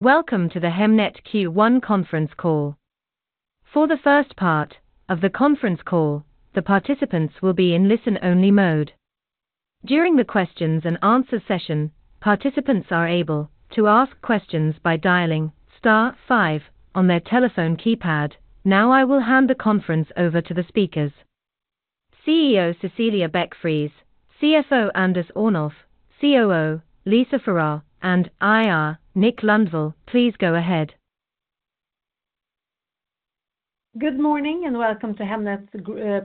Welcome to the Hemnet Q1 conference call. For the first part of the conference call, the participants will be in listen-only mode. During the questions and answer session, participants are able to ask questions by dialing star five on their telephone keypad. Now, I will hand the conference over to the speakers. CEO, Cecilia Beck-Friis, CFO, Anders Örnulf, COO, Lisa Farrar, and IR, Nick Lundvall, please go ahead. Good morning, and welcome to Hemnet's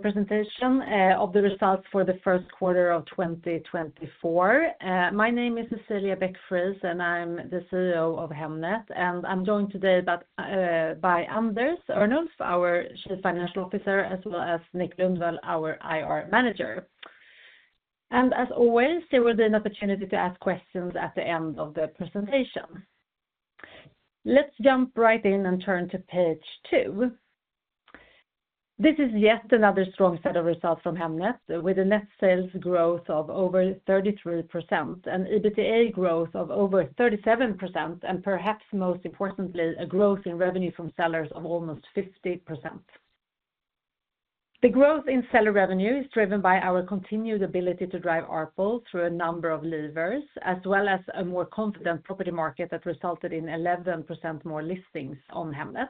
presentation of the results for the first quarter of 2024. My name is Cecilia Beck-Friis, and I'm the CEO of Hemnet, and I'm joined today by Anders Örnulf, our Chief Financial Officer, as well as Nick Lundvall, our IR Manager. And as always, there will be an opportunity to ask questions at the end of the presentation. Let's jump right in and turn to page two. This is yet another strong set of results from Hemnet, with a net sales growth of over 33% and EBITDA growth of over 37%, and perhaps most importantly, a growth in revenue from sellers of almost 50%. The growth in seller revenue is driven by our continued ability to drive ARPL through a number of levers, as well as a more confident property market that resulted in 11% more listings on Hemnet.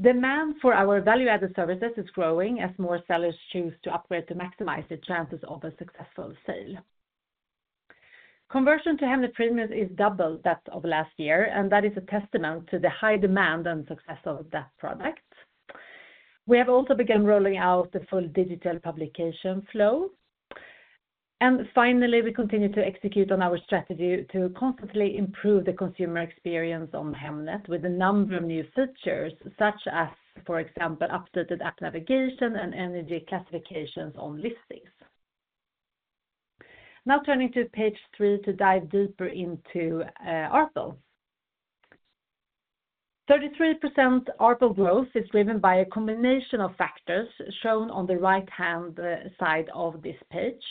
Demand for our value-added services is growing as more sellers choose to upgrade to maximize their chances of a successful sale. Conversion to Hemnet Premium is double that of last year, and that is a testament to the high demand and success of that product. We have also begun rolling out the full digital publication flow. And finally, we continue to execute on our strategy to constantly improve the consumer experience on Hemnet with a number of new features, such as, for example, updated app navigation and energy classifications on listings. Now, turning to page three to dive deeper into ARPL. 33% ARPL growth is driven by a combination of factors shown on the right-hand side of this page.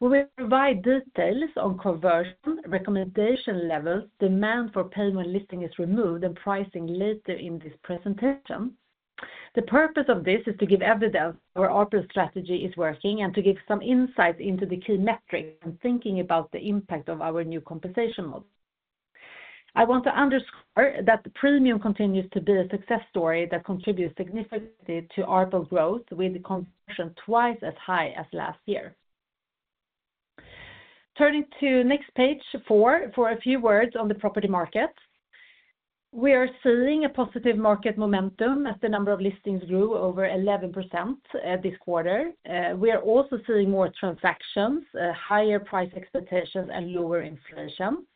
We will provide details on conversion, recommendation levels, demand for pay when listing is removed, and pricing later in this presentation. The purpose of this is to give evidence our ARPL strategy is working and to give some insight into the key metrics and thinking about the impact of our new compensation model. I want to underscore that the Premium continues to be a success story that contributes significantly to ARPL growth, with the conversion twice as high as last year. Turning to next page four for a few words on the property market. We are seeing a positive market momentum as the number of listings grew over 11% this quarter. We are also seeing more transactions, higher price expectations, and lower inflation.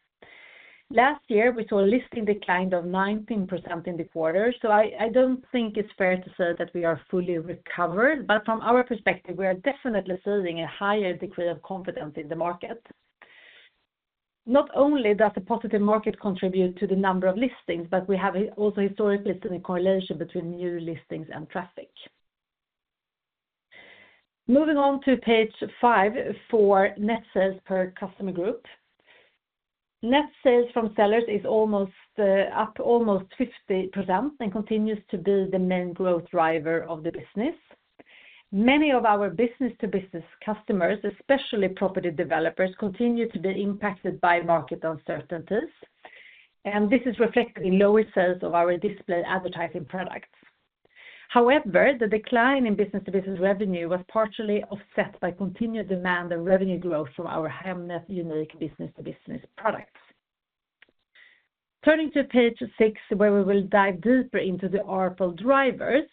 Last year, we saw a listing decline of 19% in the quarter, so I don't think it's fair to say that we are fully recovered, but from our perspective, we are definitely seeing a higher degree of confidence in the market. Not only does the positive market contribute to the number of listings, but we have also historically seen a correlation between new listings and traffic. Moving on to page five for net sales per customer group. Net sales from sellers is almost up almost 50% and continues to be the main growth driver of the business. Many of our business-to-business customers, especially property developers, continue to be impacted by market uncertainties, and this is reflected in lower sales of our display advertising products. However, the decline in business-to-business revenue was partially offset by continued demand and revenue growth from our Hemnet unique business-to-business products. Turning to page six, where we will dive deeper into the ARPL drivers.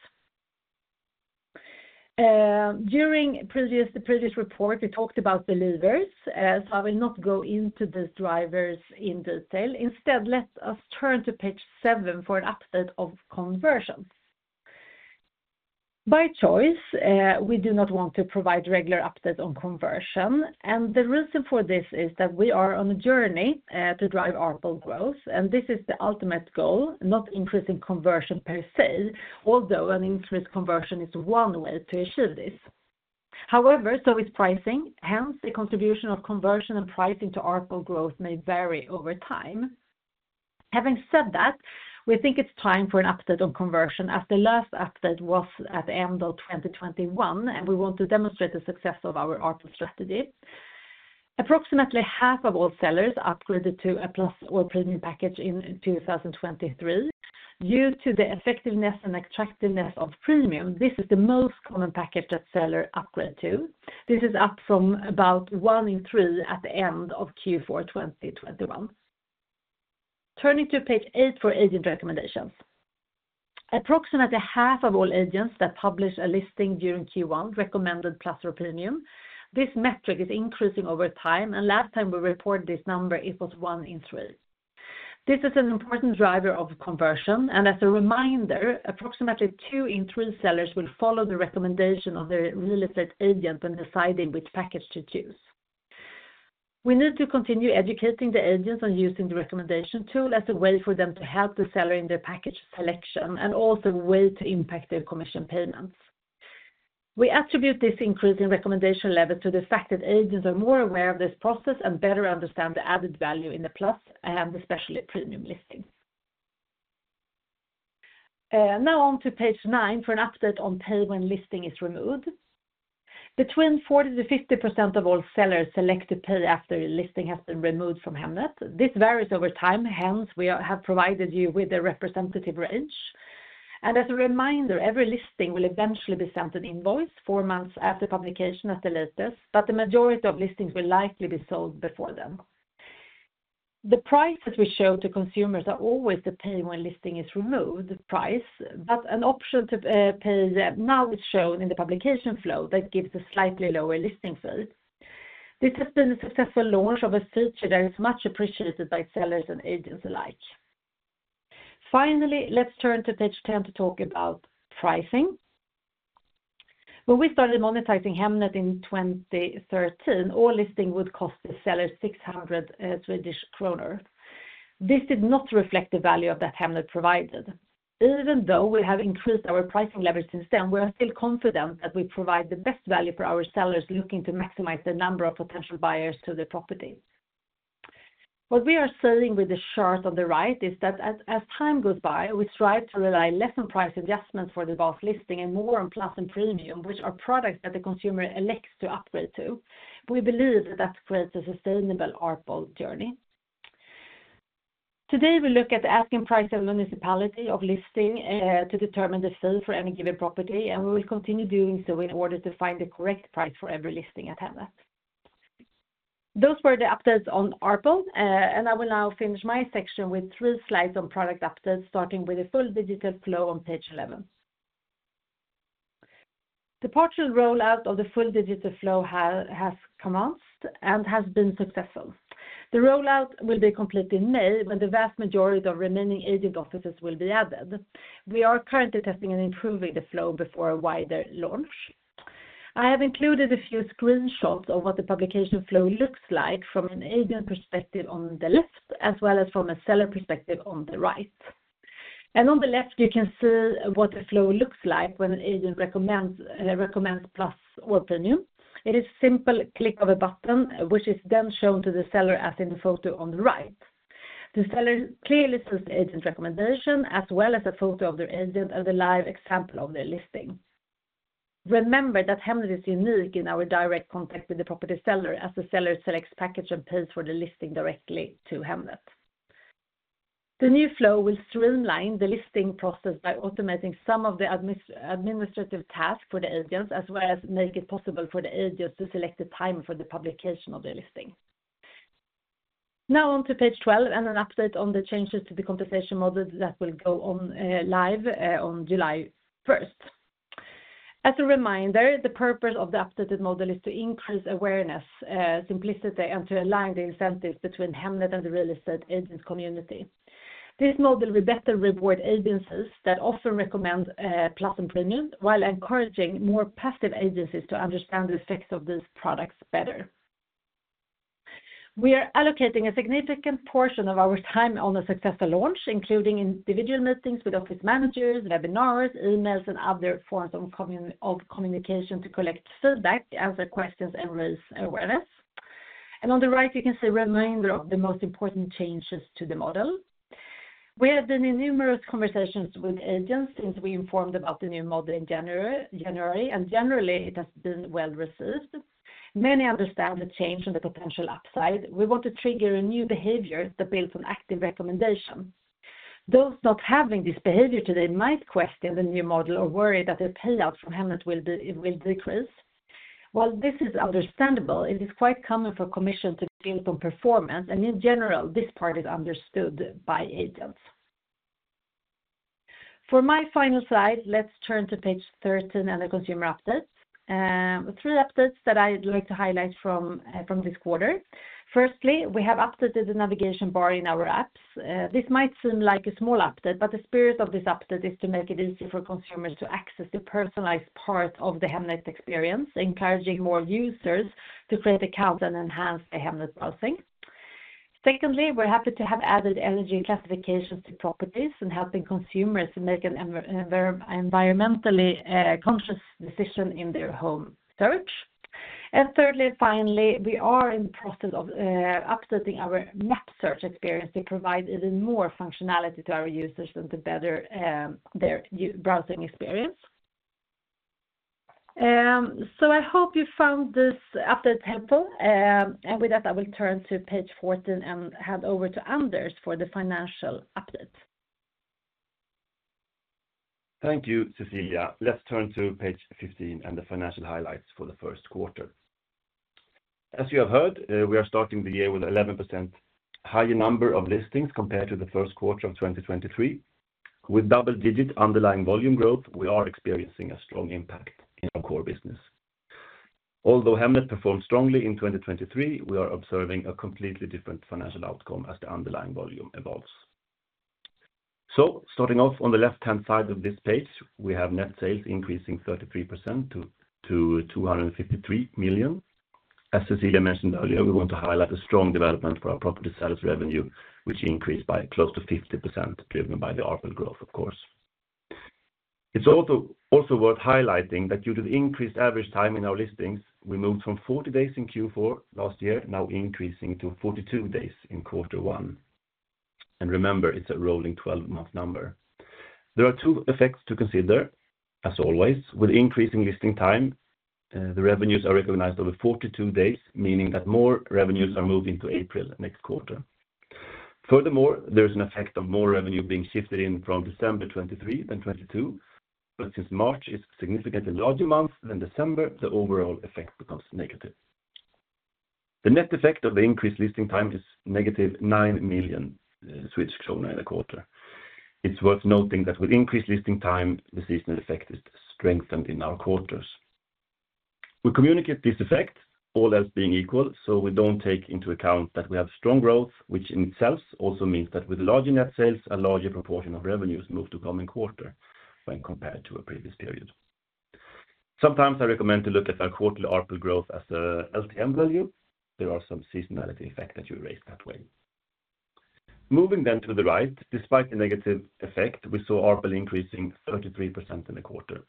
During previous, the previous report, we talked about the levers, so I will not go into the drivers in detail. Instead, let us turn to page seven for an update of conversions. By choice, we do not want to provide regular updates on conversion, and the reason for this is that we are on a journey to drive ARPL growth, and this is the ultimate goal, not increasing conversion per se, although an increased conversion is one way to achieve this. However, so is pricing. Hence, the contribution of conversion and pricing to ARPL growth may vary over time. Having said that, we think it's time for an update on conversion, as the last update was at the end of 2021, and we want to demonstrate the success of our ARPL strategy. Approximately half of all sellers upgraded to a Plus or Premium package in 2023. Due to the effectiveness and attractiveness of Premium, this is the most common package that seller upgrade to. This is up from about one in three at the end of Q4 2021. Turning to page eight for agent recommendations. Approximately half of all agents that published a listing during Q1 recommended Plus or Premium. This metric is increasing over time, and last time we reported this number, it was one in three. This is an important driver of conversion, and as a reminder, approximately two in three sellers will follow the recommendation of their real estate agent when deciding which package to choose. We need to continue educating the agents on using the recommendation tool as a way for them to help the seller in their package selection and also way to impact their commission payments. We attribute this increase in recommendation level to the fact that agents are more aware of this process and better understand the added value in the Plus, and especially Premium listing. Now on to page nine for an update on pay when listing is removed. Between 40%-50% of all sellers select to pay after the listing has been removed from Hemnet. This varies over time, hence, we have provided you with a representative range. And as a reminder, every listing will eventually be sent an invoice four months after publication at the latest, but the majority of listings will likely be sold before then. The prices we show to consumers are always the pay when listing is removed price, but an option to pay now is shown in the publication flow that gives a slightly lower listing fee. This has been a successful launch of a feature that is much appreciated by sellers and agents alike. Finally, let's turn to page 10 to talk about pricing. When we started monetizing Hemnet in 2013, all listing would cost the seller 600 Swedish kronor. This did not reflect the value of that Hemnet provided. Even though we have increased our pricing level since then, we are still confident that we provide the best value for our sellers looking to maximize the number of potential buyers to the property. What we are saying with the chart on the right is that as time goes by, we strive to rely less on price adjustments for the Hemnet Bas and more on Plus and Premium, which are products that the consumer elects to upgrade to. We believe that that creates a sustainable ARPL journey. Today, we look at the asking price of the municipality of listing to determine the sale for any given property, and we will continue doing so in order to find the correct price for every listing at Hemnet. Those were the updates on ARPL, and I will now finish my section with three slides on product updates, starting with a full digital flow on page 11. The partial rollout of the full digital flow has commenced and has been successful. The rollout will be complete in May, when the vast majority of remaining agent offices will be added. We are currently testing and improving the flow before a wider launch. I have included a few screenshots of what the publication flow looks like from an agent perspective on the left, as well as from a seller perspective on the right. On the left, you can see what the flow looks like when an agent recommends recommends Plus or Premium. It is simple click of a button, which is then shown to the seller, as in the photo on the right. The seller clearly sees the agent's recommendation, as well as a photo of their agent and a live example of their listing. Remember that Hemnet is unique in our direct contact with the property seller, as the seller selects package and pays for the listing directly to Hemnet. The new flow will streamline the listing process by automating some of the administrative tasks for the agents, as well as make it possible for the agents to select a time for the publication of their listing. Now on to page 12, and an update on the changes to the compensation model that will go on live on July first. As a reminder, the purpose of the updated model is to increase awareness, simplicity, and to align the incentives between Hemnet and the real estate agent community. This model will better reward agencies that often recommend Plus and Premium, while encouraging more passive agencies to understand the effects of these products better. We are allocating a significant portion of our time on a successful launch, including individual meetings with office managers, webinars, emails, and other forms of communication to collect feedback, answer questions, and raise awareness. On the right, you can see a reminder of the most important changes to the model. We have been in numerous conversations with agents since we informed about the new model in January, and generally, it has been well received. Many understand the change and the potential upside. We want to trigger a new behavior that builds on active recommendation. Those not having this behavior today might question the new model or worry that their payout from Hemnet will decrease. While this is understandable, it is quite common for commission to build on performance, and in general, this part is understood by agents. For my final slide, let's turn to page 13 and the consumer updates. Three updates that I'd like to highlight from, from this quarter. Firstly, we have updated the navigation bar in our apps. This might seem like a small update, but the spirit of this update is to make it easier for consumers to access the personalized part of the Hemnet experience, encouraging more users to create account and enhance their Hemnet browsing. Secondly, we're happy to have added energy classifications to properties and helping consumers make an environmentally conscious decision in their home search. Thirdly, and finally, we are in the process of updating our map search experience to provide even more functionality to our users and to better their browsing experience. I hope you found this update helpful, and with that, I will turn to page 14 and hand over to Anders for the financial update. Thank you, Cecilia. Let's turn to page 15 and the financial highlights for the first quarter. As you have heard, we are starting the year with 11% higher number of listings compared to the first quarter of 2023. With double-digit underlying volume growth, we are experiencing a strong impact in our core business. Although Hemnet performed strongly in 2023, we are observing a completely different financial outcome as the underlying volume evolves. So starting off on the left-hand side of this page, we have net sales increasing 33% to 253 million. As Cecilia mentioned earlier, we want to highlight the strong development for our property sales revenue, which increased by close to 50%, driven by the ARPL growth, of course. It's also worth highlighting that due to the increased average time in our listings, we moved from 40 days in Q4 last year, now increasing to 42 days in quarter one. Remember, it's a rolling twelve-month number. There are two effects to consider, as always, with increasing listing time, the revenues are recognized over 42 days, meaning that more revenues are moved into April next quarter. Furthermore, there's an effect of more revenue being shifted in from December 2023 and 2022, but since March is a significantly larger month than December, the overall effect becomes negative. The net effect of the increased listing time is negative 9 million Swedish krona in a quarter. It's worth noting that with increased listing time, the seasonal effect is strengthened in our quarters. We communicate this effect, all else being equal, so we don't take into account that we have strong growth, which in itself also means that with larger net sales, a larger proportion of revenues move to coming quarter when compared to a previous period. Sometimes I recommend to look at our quarterly ARPL growth as a LTM value. There are some seasonality effect that you raise that way. Moving then to the right, despite the negative effect, we saw ARPL increasing 33% in a quarter.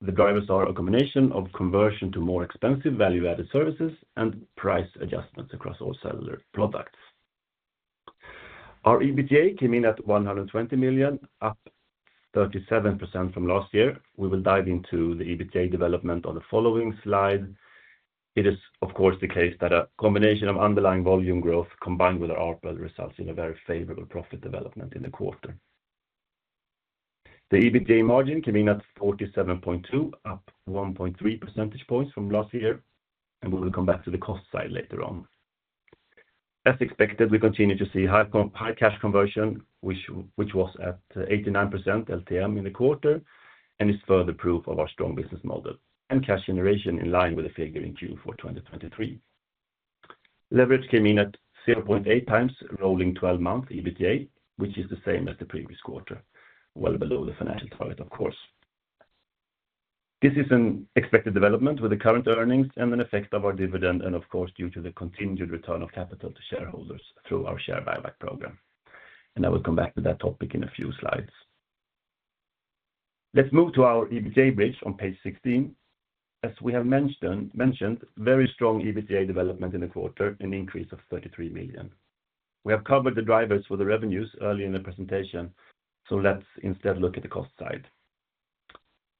The drivers are a combination of conversion to more expensive value-added services and price adjustments across all seller products. Our EBITDA came in at 120 million, up 37% from last year. We will dive into the EBITDA development on the following slide. It is, of course, the case that a combination of underlying volume growth, combined with our ARPL, results in a very favourable profit development in the quarter. The EBITDA margin came in at 47.2, up 1.3 percentage points from last year, and we will come back to the cost side later on. As expected, we continue to see high cash conversion, which was at 89% LTM in the quarter, and is further proof of our strong business model, and cash generation in line with the figure in Q4 2023. Leverage came in at 0.8 times, rolling twelve-month EBITDA, which is the same as the previous quarter, well below the financial target, of course. This is an expected development with the current earnings and an effect of our dividend, and of course, due to the continued return of capital to shareholders through our share buyback program. I will come back to that topic in a few slides. Let's move to our EBITDA bridge on page 16. As we have mentioned, very strong EBITDA development in the quarter, an increase of 33 million. We have covered the drivers for the revenues early in the presentation, so let's instead look at the cost side.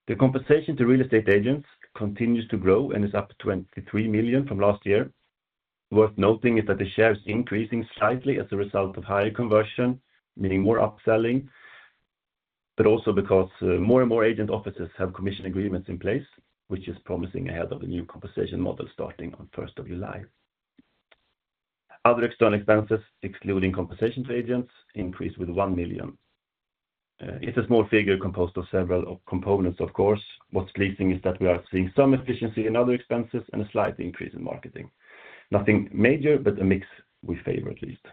The compensation to real estate agents continues to grow and is up 23 million from last year. Worth noting is that the share is increasing slightly as a result of higher conversion, meaning more upselling, but also because more and more agent offices have commission agreements in place, which is promising ahead of a new compensation model starting on first of July. Other external expenses, excluding compensation to agents, increased with 1 million. It's a small figure composed of several components, of course. What's pleasing is that we are seeing some efficiency in other expenses and a slight increase in marketing. Nothing major, but a mix we favor, at least.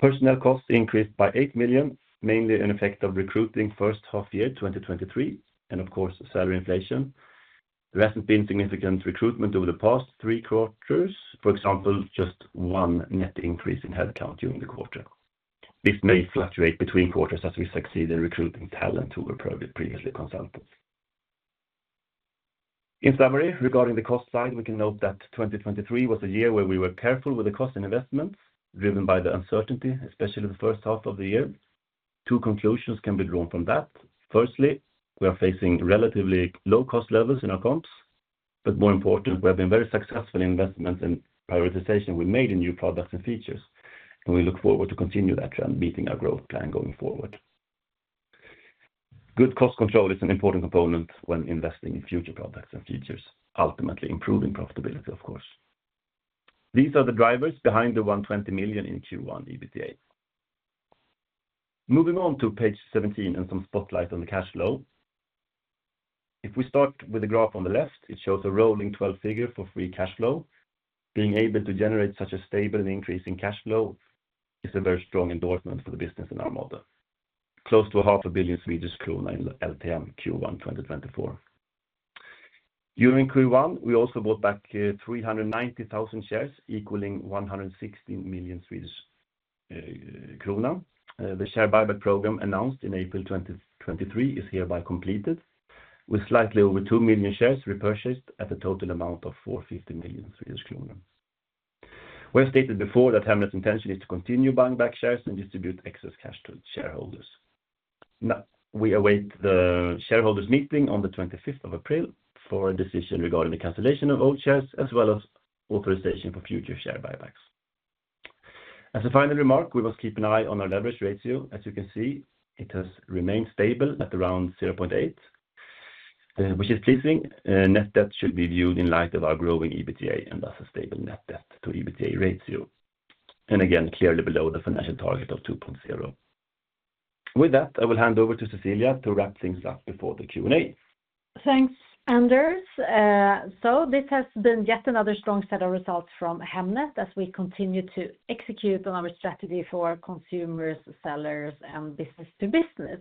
Personnel costs increased by 8 million, mainly an effect of recruiting first half year, 2023, and of course, salary inflation. There hasn't been significant recruitment over the past three quarters. For example, just one net increase in headcount during the quarter. This may fluctuate between quarters as we succeed in recruiting talent who were previously consultants. In summary, regarding the cost side, we can note that 2023 was a year where we were careful with the cost and investments, driven by the uncertainty, especially the first half of the year. Two conclusions can be drawn from that. Firstly, we are facing relatively low cost levels in our comps, but more important, we have been very successful in investments and prioritization we made in new products and features, and we look forward to continue that trend, beating our growth plan going forward. Good cost control is an important component when investing in future products and features, ultimately improving profitability, of course. These are the drivers behind the 120 million in Q1 EBITDA. Moving on to page 17 and some spotlight on the cash flow. If we start with the graph on the left, it shows a rolling twelve figure for free cash flow. Being able to generate such a stable and increasing cash flow is a very strong endorsement for the business in our model. Close to 500 million Swedish kronor in the LTM Q1 2024. During Q1, we also bought back 390,000 shares, equaling 116 million Swedish krona. The share buyback program announced in April 2023 is hereby completed, with slightly over 2 million shares repurchased at a total amount of 450 million Swedish kronor. We have stated before that Hemnet's intention is to continue buying back shares and distribute excess cash to shareholders. Now, we await the shareholders meeting on the 25th of April for a decision regarding the cancellation of all shares, as well as authorization for future share buybacks. As a final remark, we must keep an eye on our leverage ratio. As you can see, it has remained stable at around 0.8, which is pleasing. Net debt should be viewed in light of our growing EBITDA, and thus a stable net debt to EBITDA ratio. And again, clearly below the financial target of 2.0. With that, I will hand over to Cecilia to wrap things up before the Q&A. Thanks, Anders. This has been yet another strong set of results from Hemnet as we continue to execute on our strategy for consumers, sellers, and business-to-business.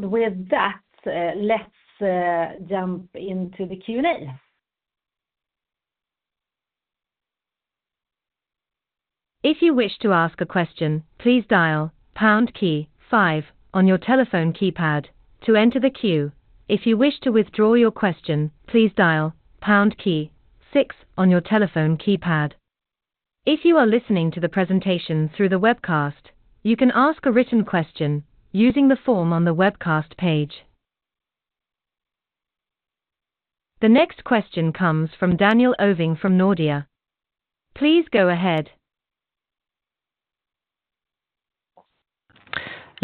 With that, let's jump into the Q&A. If you wish to ask a question, please dial pound key five on your telephone keypad to enter the queue. If you wish to withdraw your question, please dial pound key six on your telephone keypad. If you are listening to the presentation through the webcast, you can ask a written question using the form on the webcast page. The next question comes from Daniel Ovin from Nordea. Please go ahead.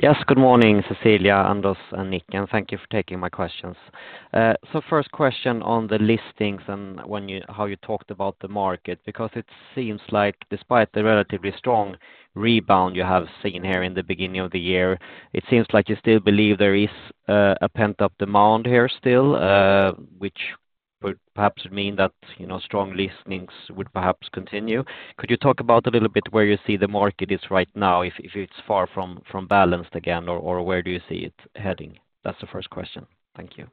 Yes, good morning, Cecilia, Anders, and Nick, and thank you for taking my questions. So first question on the listings and how you talked about the market, because it seems like despite the relatively strong rebound you have seen here in the beginning of the year, it seems like you still believe there is a pent-up demand here still, which would perhaps mean that, you know, strong listings would perhaps continue. Could you talk a little bit about where you see the market is right now, if it's far from balanced again, or where do you see it heading? That's the first question. Thank you.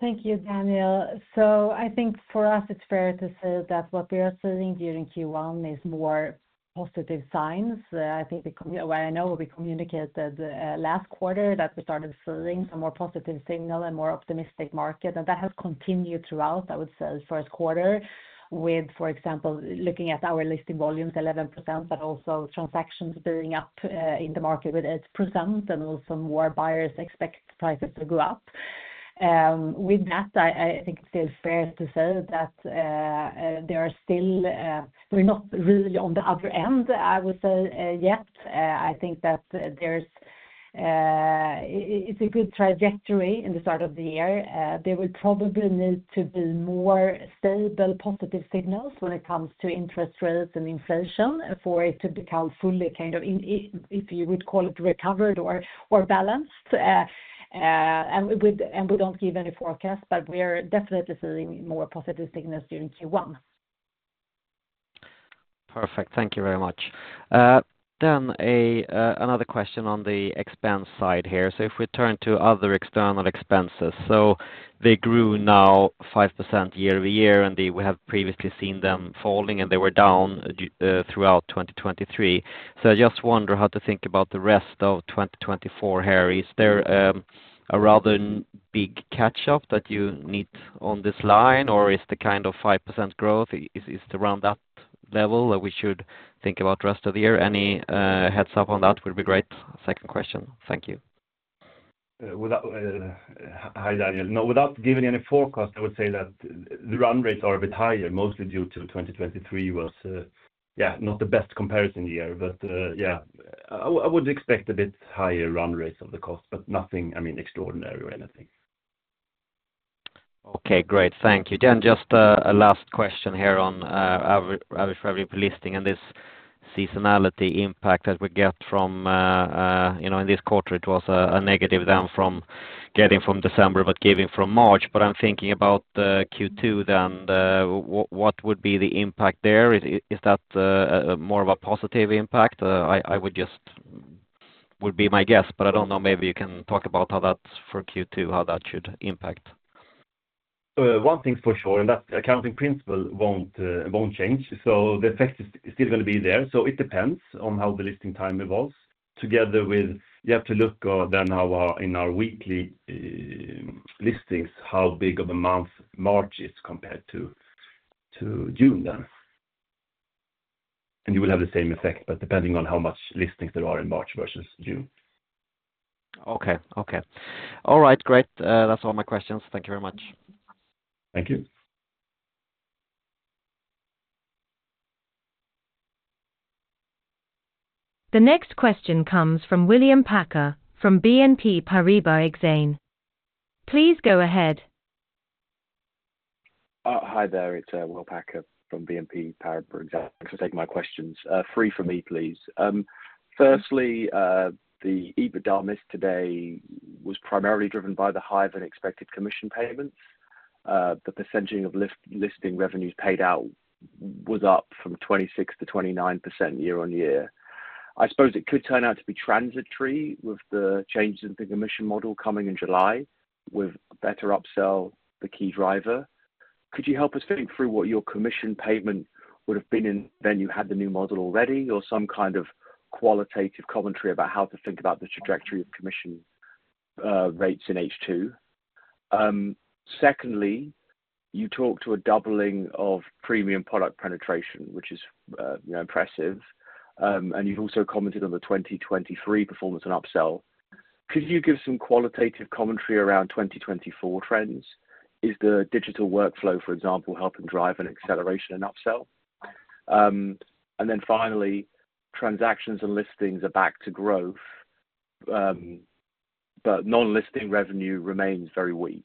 Thank you, Daniel. So I think for us, it's fair to say that what we are seeing during Q1 is more positive signs. I think we well, I know we communicated last quarter that we started seeing a more positive signal and more optimistic market, and that has continued throughout, I would say, the first quarter with, for example, looking at our listing volumes, 11%, but also transactions building up in the market with 8%, and also more buyers expect prices to go up. With that, I think it's still fair to say that there are still, we're not really on the other end, I would say, yet. I think that there's it's a good trajectory in the start of the year. There will probably need to be more stable, positive signals when it comes to interest rates and inflation for it to become fully, kind of, if you would call it recovered or, or balanced. And we don't give any forecast, but we are definitely seeing more positive signals during Q1. Perfect. Thank you very much. Then another question on the expense side here. So if we turn to other external expenses, so they grew now 5% year-over-year, and we have previously seen them falling, and they were down throughout 2023. So I just wonder how to think about the rest of 2024 here. Is there a rather big catch-up that you need on this line, or is the kind of 5% growth around that level that we should think about the rest of the year? Any heads-up on that would be great. Second question. Thank you. Hi, Daniel. No, without giving any forecast, I would say that the run rates are a bit higher, mostly due to 2023 was, yeah, not the best comparison year, but, yeah, I would expect a bit higher run rates of the cost, but nothing, I mean, extraordinary or anything. Okay, great. Thank you. Then just a last question here on average revenue per listing and this seasonality impact that we get from, you know, in this quarter, it was a negative down from coming from December but going from March. But I'm thinking about Q2 then, what would be the impact there? Is that more of a positive impact? I would just, would be my guess, but I don't know. Maybe you can talk about how that's for Q2, how that should impact. One thing's for sure, and that accounting principle won't change, so the effect is still going to be there. So it depends on how the listing time evolves. You have to look then, in our weekly listings, how big of a month March is compared to June then. You will have the same effect, but depending on how much listings there are in March versus June. Okay. Okay. All right, great. That's all my questions. Thank you very much. Thank you. The next question comes from William Packer from BNP Paribas Exane. Please go ahead. Hi there, it's Will Packer from BNP Paribas Exane. Thanks for taking my questions. Three from me, please. Firstly, the EBITDA miss today was primarily driven by the higher-than-expected commission payments. The percentaging of listing revenues paid out was up from 26% to 29% year-on-year. I suppose it could turn out to be transitory with the changes in the commission model coming in July, with better upsell, the key driver. Could you help us think through what your commission payment would have been in when you had the new model already, or some kind of qualitative commentary about how to think about the trajectory of commission rates in H2? Secondly, you talked to a doubling of Premium product penetration, which is, you know, impressive. And you also commented on the 2023 performance and upsell. Could you give some qualitative commentary around 2024 trends? Is the digital workflow, for example, helping drive an acceleration in upsell? And then finally, transactions and listings are back to growth, but non-listing revenue remains very weak,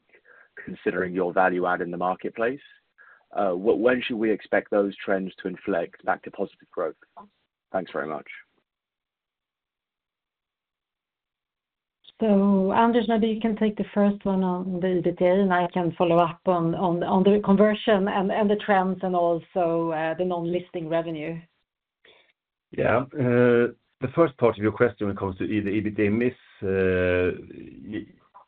considering your value add in the marketplace. When should we expect those trends to inflect back to positive growth? Thanks very much. So, Anders, maybe you can take the first one on the EBITDA, and I can follow up on the conversion and the trends and also the non-listing revenue. Yeah, the first part of your question when it comes to either EBITDA miss,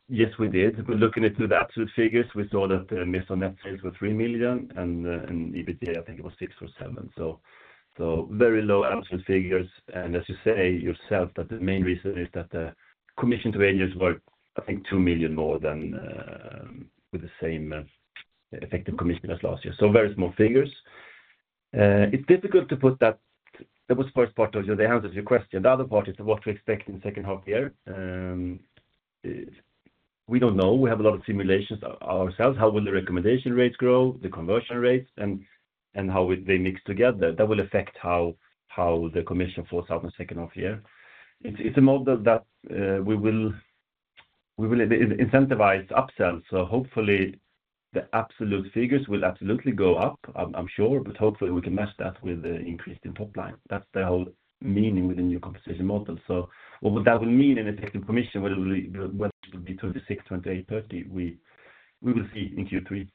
yes, we did. But looking into the absolute figures, we saw that the miss on net sales was 3 million, and EBITDA, I think it was 6 or 7 million. So, very low absolute figures, and as you say yourself, that the main reason is that the commission to agents were, I think, 2 million more than, with the same, effective commission as last year. So very small figures. It's difficult to put that. That was first part of the answer to your question. The other part is what we expect in the second half year. We don't know. We have a lot of simulations ourselves, how will the recommendation rates grow, the conversion rates, and how will they mix together? That will affect how the commission falls out in the second half year. It's a model that we will incentivize upsells, so hopefully the absolute figures will absolutely go up, I'm sure, but hopefully we can match that with the increase in top line. That's the whole meaning within your compensation model. So what would that will mean in a technical commission, whether it will be 26, 28, 30, we will see in Q3.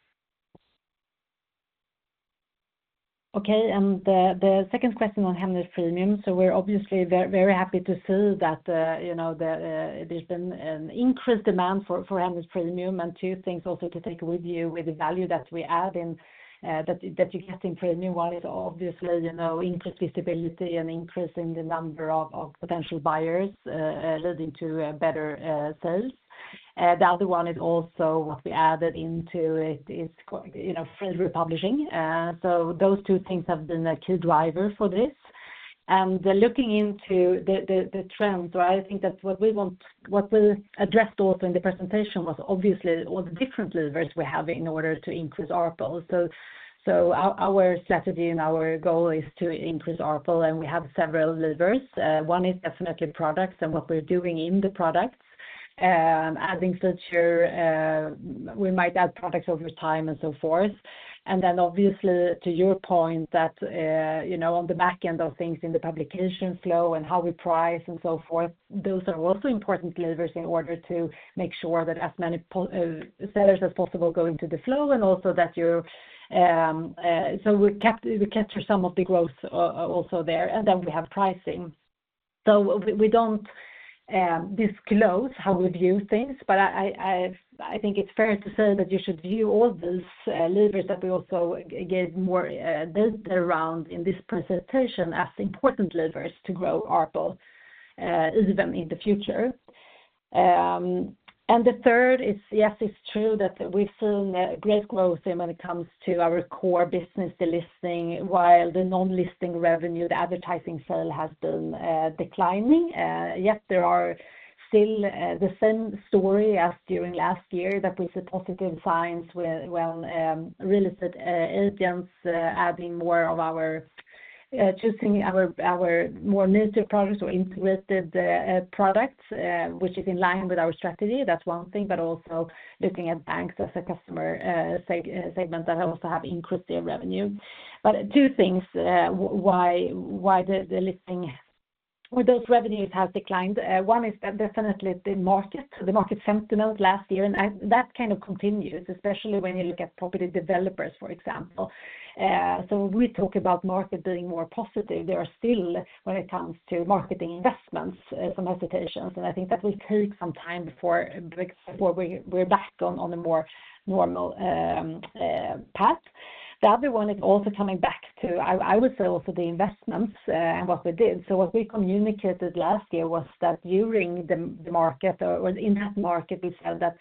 Okay, and the second question on Hemnet Premium. So we're obviously very happy to see that, you know, that there's been an increased demand for Hemnet Premium, and two things also to take with you, with the value that we add in, that you get in Premium. One is obviously, you know, increased visibility and increase in the number of potential buyers, leading to better sales. The other one is also what we added into it, is you know, free republishing. So those two things have been a key driver for this. And looking into the trends, so I think that's what we want. What we addressed also in the presentation was obviously all the different levers we have in order to increase ARPL. Our strategy and our goal is to increase ARPL, and we have several levers. One is definitely products and what we're doing in the products, adding such, we might add products over time and so forth. And then obviously, to your point, that, you know, on the back end of things, in the publication flow and how we price and so forth, those are also important levers in order to make sure that as many sellers as possible go into the flow, and also that you're. We capture some of the growth, also there, and then we have pricing. So we don't disclose how we view things, but I think it's fair to say that you should view all those levers that we also gave more depth around in this presentation as important levers to grow ARPL even in the future. And the third is, yes, it's true that we've seen great growth when it comes to our core business, the listing, while the non-listing revenue, the advertising sale, has been declining. Yet there are still the same story as during last year, that we see positive signs with real estate agents adding more of our, choosing our, our more native products or integrated products, which is in line with our strategy. That's one thing, but also looking at banks as a customer segment that also have increased their revenue. But two things, why the listing, or those revenues have declined. One is definitely the market sentiment last year, and that kind of continues, especially when you look at property developers, for example. So we talk about market being more positive. There are still, when it comes to marketing investments, some hesitations, and I think that will take some time before we're back on a more normal path. The other one is also coming back to, I would say, also the investments, and what we did. So what we communicated last year was that during the market, or in that market, we said that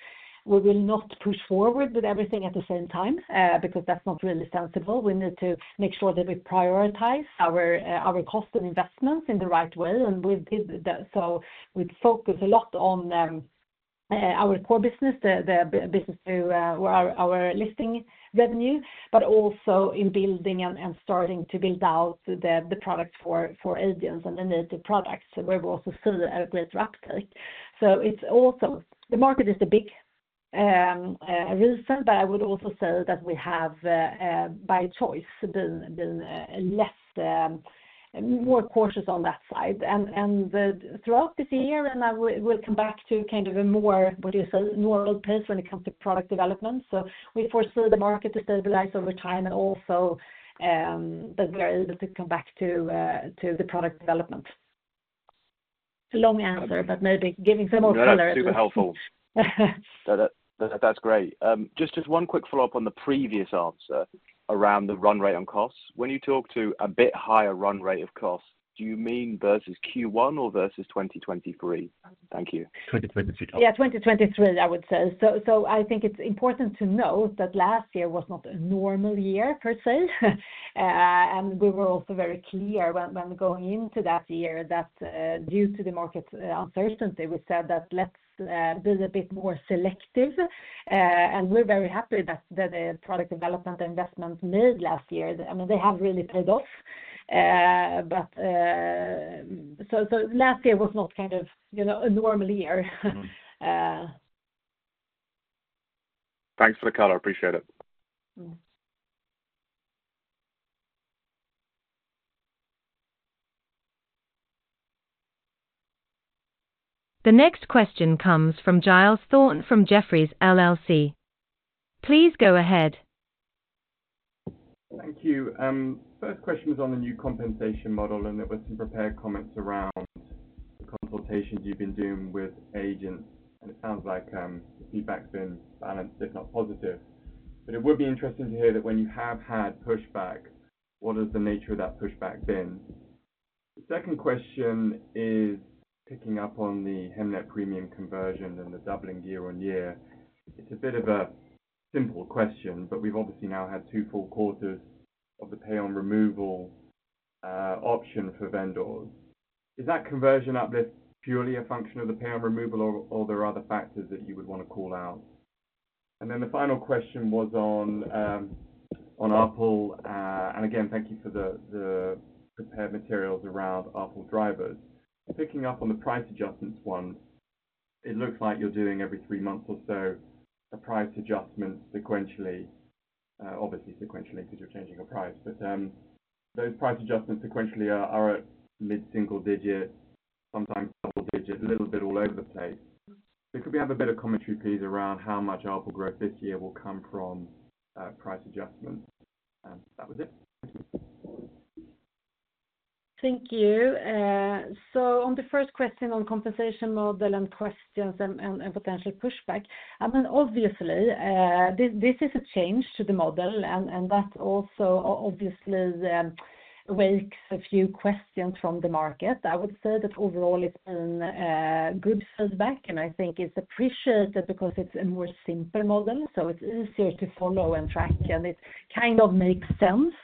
we will not push forward with everything at the same time, because that's not really sensible. We need to make sure that we prioritize our cost and investments in the right way, and we did that. So we'd focus a lot on our core business, the business to our listing revenue, but also in building and starting to build out the products for agents and the native products, where we also see a great uptake. So it's also, the market is a big reason, but I would also say that we have, by choice, been more cautious on that side. Throughout this year, we'll come back to kind of a more, what do you say, normal pace when it comes to product development. So we foresee the market to stabilize over time and also that we are able to come back to the product development. It's a long answer, but maybe giving some more color. No, that's super helpful. That, that, that's great. Just, just one quick follow-up on the previous answer around the run rate on costs. When you talk to a bit higher run rate of costs, do you mean versus Q1 or versus 2023? Thank you. 2023. Yeah, 2023, I would say. So, I think it's important to note that last year was not a normal year per se. And we were also very clear when going into that year that due to the market uncertainty, we said that let's be a bit more selective. And we're very happy that the product development and investments made last year, I mean, they have really paid off. But. So, last year was not kind of, you know, a normal year. Thanks for the color. I appreciate it. Mm. The next question comes from Giles Thorne from Jefferies LLC. Please go ahead. Thank you. First question was on the new compensation model, and there were some prepared comments around the consultations you've been doing with agents, and it sounds like the feedback's been balanced, if not positive. But it would be interesting to hear that when you have had pushback, what has the nature of that pushback been? The second question is picking up on the Hemnet Premium conversion and the doubling year on year. It's a bit of a simple question, but we've obviously now had two full quarters of the pay on removal option for vendors. Is that conversion uplift purely a function of the pay on removal, or there are other factors that you would wanna call out? And then the final question was on ARPL. And again, thank you for the prepared materials around ARPL drivers. Picking up on the price adjustments one, it looks like you're doing every three months or so, a price adjustment sequentially, obviously sequentially, 'cause you're changing your price. But, those price adjustments sequentially are at mid-single-digit, sometimes double-digit, a little bit all over the place. So could we have a bit of commentary, please, around how much ARPL growth this year will come from, price adjustments? That was it. Thank you. So on the first question on compensation model and questions and potential pushback, I mean, obviously, this is a change to the model, and that also obviously raises a few questions from the market. I would say that overall it's been good feedback, and I think it's appreciated because it's a more simpler model, so it's easier to follow and track, and it kind of makes sense.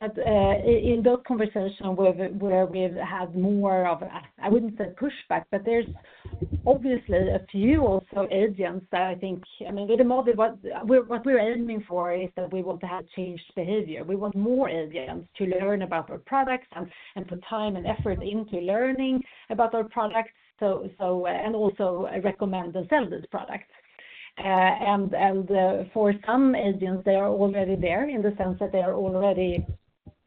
But in those conversations where we've had more of a, I wouldn't say pushback, but there's obviously a few agents also that I think... I mean, with the model, what we're aiming for is that we want to have changed behavior. We want more agents to learn about our products and put time and effort into learning about our products. So, and also recommend and sell this product. And, for some agents, they are already there in the sense that they are already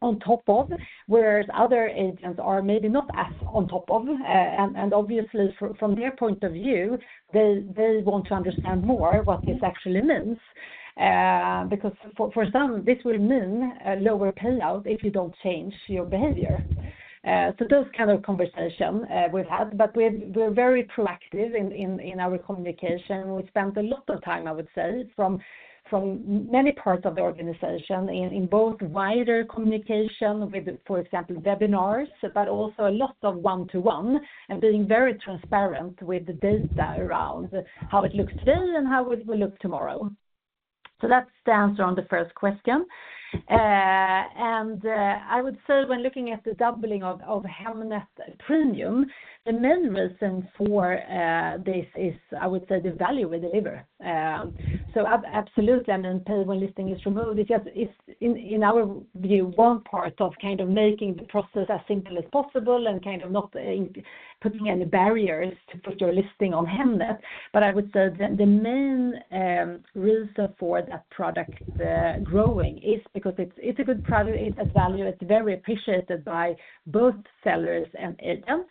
on top of, whereas other agents are maybe not as on top of, and obviously from their point of view, they want to understand more what this actually means. Because for some, this will mean a lower payout if you don't change your behavior. So those kind of conversation we've had, but we're very proactive in our communication. We spent a lot of time, I would say, from many parts of the organization, in both wider communication with, for example, webinars, but also a lot of one-to-one, and being very transparent with the data around how it looks today and how it will look tomorrow. So that's the answer on the first question. I would say when looking at the doubling of Hemnet Premium, the main reason for this is, I would say, the value we deliver. So absolutely, I mean, pay when listing is removed, it just is, in our view, one part of kind of making the process as simple as possible and kind of not putting any barriers to put your listing on Hemnet. But I would say the main reason for that product growing is because it's a good product, it's a value, it's very appreciated by both sellers and agents.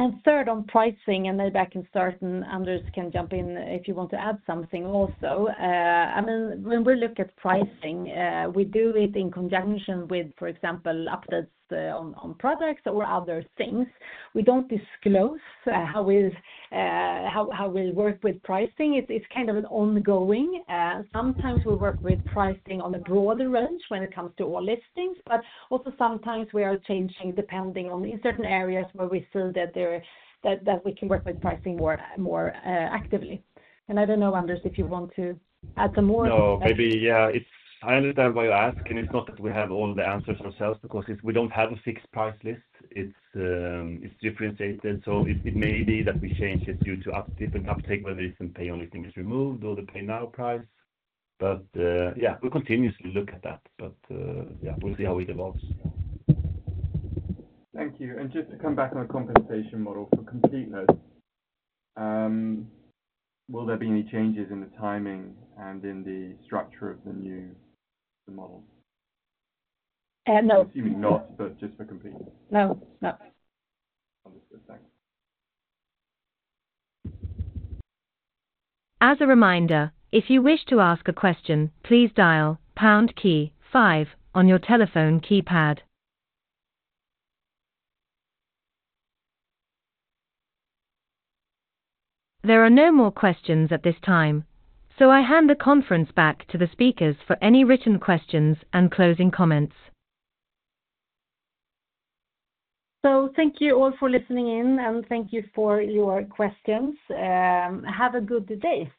And third, on pricing, and then I can start, and Anders can jump in if you want to add something also. I mean, when we look at pricing, we do it in conjunction with, for example, updates on products or other things. We don't disclose how we work with pricing. It's kind of an ongoing, sometimes we work with pricing on a broader range when it comes to all listings, but also sometimes we are changing depending on in certain areas where we feel that we can work with pricing more actively. And I don't know, Anders, if you want to add some more? No, maybe, yeah. It's I understand why you ask, and it's not that we have all the answers ourselves, because we don't have a fixed price list. It's, it's differentiated, so it, it may be that we change it due to different uptake, whether it's in pay when listing is removed or the pay now price. But, yeah, we continuously look at that, but, yeah, we'll see how it evolves. Thank you. Just to come back on the compensation model for completeness, will there be any changes in the timing and in the structure of the new, the model? Uh, no. I'm assuming not, but just for completeness. No, no. Understood. Thanks. As a reminder, if you wish to ask a question, please dial pound key five on your telephone keypad. There are no more questions at this time, so I hand the conference back to the speakers for any written questions and closing comments. So thank you all for listening in, and thank you for your questions. Have a good day.